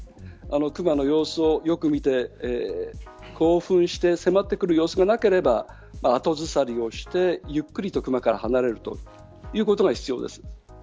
クマの様子をよく見て興奮して迫ってくる様子がなければ、後ずさりをしてゆっくりとクマから離れるということが必要です。